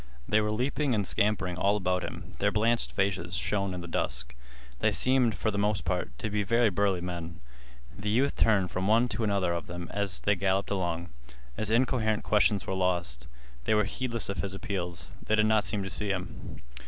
They were leaping and scampering all about him. Their blanched faces shone in the dusk. They seemed, for the most part, to be very burly men. The youth turned from one to another of them as they galloped along. His incoherent questions were lost. They were heedless of his appeals. They did not seem to see him.